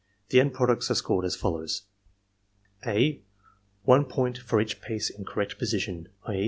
— ^The end products are scored as follows: Points (a) One point for each piece in correct position; i.